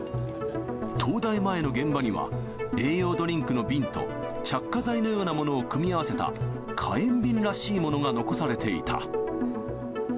東大前の現場には、栄養ドリンクの瓶と、着火剤のようなものを組み合わせた火炎瓶らしいものが残されていた。